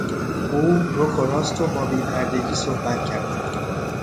او رک و راست و با بیپردگی صحبت کرد.